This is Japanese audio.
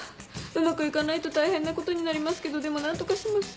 うまく行かないと大変なことになりますけどでも何とかします。